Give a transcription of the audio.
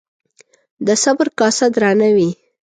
د صبر کاسه درانه وي